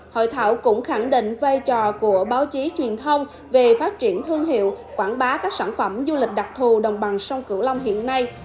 hội thảo cũng khẳng định vai trò của báo chí truyền thông về phát triển thương hiệu quảng bá các sản phẩm du lịch đặc thù đồng bằng sông cửu long hiện nay